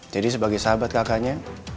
jadi sebagai sahabat kakaknya